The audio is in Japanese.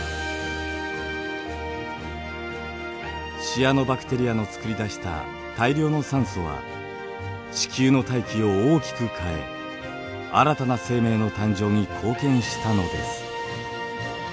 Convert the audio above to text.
シアノバクテリアのつくり出した大量の酸素は地球の大気を大きく変え新たな生命の誕生に貢献したのです。